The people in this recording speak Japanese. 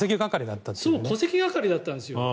戸籍係だったんですよね。